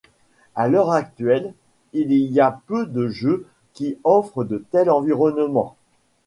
À l'heure actuelle, il y a peu de jeux qui offrent de tels environnements.